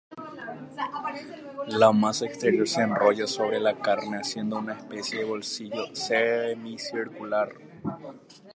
La masa exterior se enrolla sobre la carne haciendo una especie de "bolsillo" semi-circular.